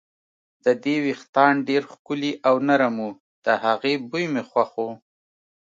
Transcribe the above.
د دې وېښتان ډېر ښکلي او نرم وو، د هغې بوی مې خوښ و.